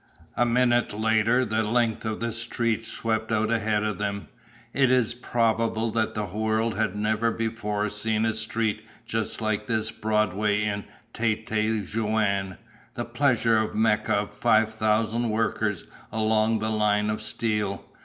A minute later the length of the street swept out ahead of them. It is probable that the world had never before seen a street just like this Broadway in Tête Jaune the pleasure Mecca of five thousand workers along the line of steel.